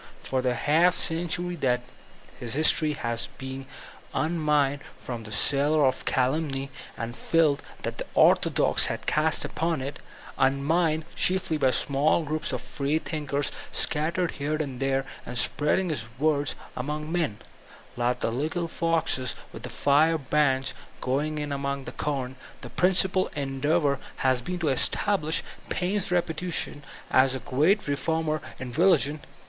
For the Thomas Paimb ^:n hadf century that his history has been being unmined from the cellar of calumny and filth that the orthodox had cast upon it, unmined chiefly by small groups of free* thinkers scattered here and there and spreading his words among men, like the little foxes with the firebrands going in among the com, the principal endeavor has been to establish Paine's reputation as a great reformer in re ligion.